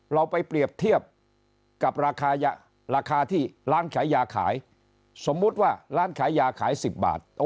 เราไปเปรียบเทียบกับราคาราคาที่ร้านขายยาขายสมมุติว่าร้านขายยาขาย๑๐บาท